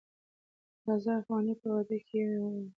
د هزار خوانې په واده کې یې ویلی و.